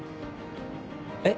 えっ？